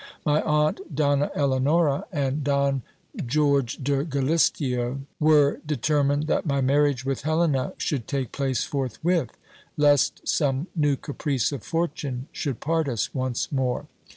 My aunt, Donna Eleonora, and Don George de Galisteo, were determined that my marriage with Helena should take place forthwith, lest some new caprice of fortune should part us once more.